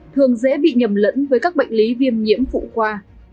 thường dễ bị nhầm lẫn với các bệnh lý viêm nhiễm phụ khoa